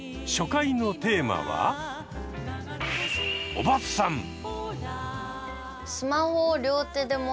初回のテーマは「おばさん」。